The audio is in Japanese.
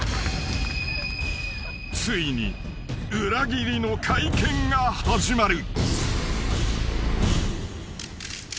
［ついに裏切りの会見が始まる］